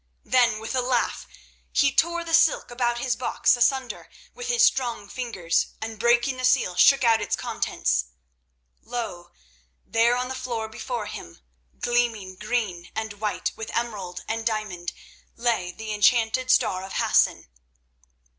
Then with a laugh he tore the silk about his box asunder with his strong fingers, and breaking the seal, shook out its contents. Lo! there on the floor before him, gleaming green and white with emerald and diamond, lay the enchanted Star of Hassan.